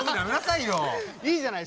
いいじゃない。